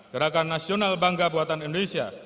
gerakan nasional bangga buatan indonesia